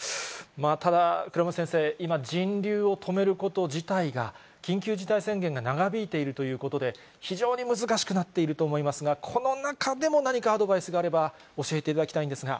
ただ、倉持先生、今、人流を止めること自体が緊急事態宣言が長引いているということで、非常に難しくなっていると思いますが、この中でも何かアドバイスがあれば、教えていただきたいんですが。